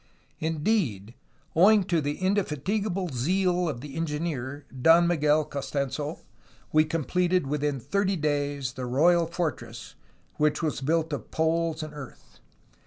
"Indeed, owing to the indefatigable zeal of the engineer, Don Miguel Costanso, we completed within thirty days the royal for tress, which was built of poles and earth.